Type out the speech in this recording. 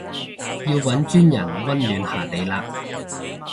要搵專人溫暖下你嘞